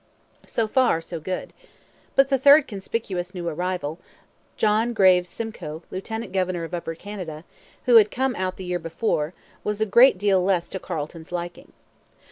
So far, so good. But the third conspicuous new arrival, John Graves Simcoe, lieutenant governor of Upper Canada, who had come out the year before, was a great deal less to Carleton's liking.